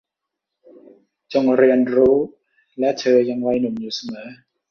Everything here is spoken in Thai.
จงเรียนรู้และเธอยังวัยหนุ่มอยู่เสมอ